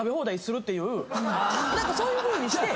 そういうふうにして。